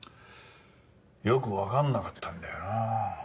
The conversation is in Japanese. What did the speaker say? よく分かんなかったんだよなぁ。